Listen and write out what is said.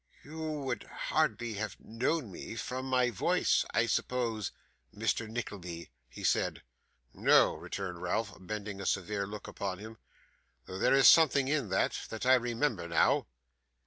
'You would hardly have known me from my voice, I suppose, Mr. Nickleby?' he said. 'No,' returned Ralph, bending a severe look upon him. 'Though there is something in that, that I remember now.